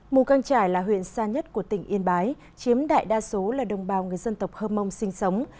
mù căng trải là huyện xa nhất của tỉnh yên bái chiếm đại đa số là đồng bào người dân tộc hơ mông sinh sống